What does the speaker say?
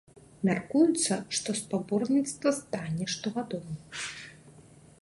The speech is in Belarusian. Мяркуецца, што спаборніцтва стане штогадовым.